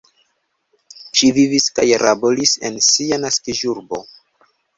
Ŝi vivis kaj laboris en sia naskiĝurbo.